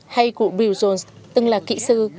hay cụ bill jones từng là kỹ sư